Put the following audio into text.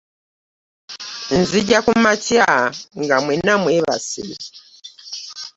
Nzija kumakya nga mwenna mwebase.